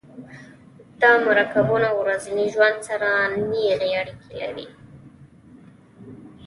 دا مرکبونه ورځني ژوند سره نیغې اړیکې لري.